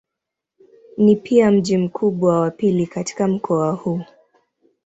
Ni pia mji mkubwa wa pili katika mkoa huu.